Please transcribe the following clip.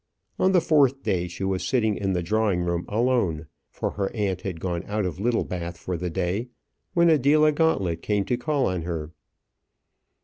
On the fourth day she was sitting in the drawing room alone for her aunt had gone out of Littlebath for the day when Adela Gauntlet came to call on her.